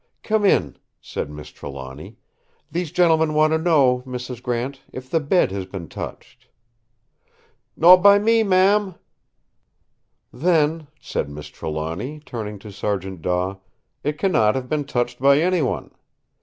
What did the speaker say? "Come in," said Miss Trelawny. "These gentlemen want to know, Mrs. Grant, if the bed has been touched." "Not by me, ma'am." "Then," said Miss Trelawny, turning to Sergeant Daw, "it cannot have been touched by any one.